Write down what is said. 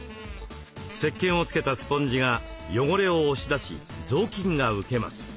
せっけんをつけたスポンジが汚れを押し出し雑巾が受けます。